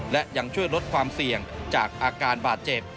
และยังช่วยลดความเสี่ยงจากอาการบาดเจ็บ